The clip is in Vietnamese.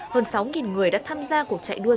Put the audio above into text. hơn sáu người đã tham gia cuộc chạy đua